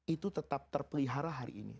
itu tetap terpelihara hari ini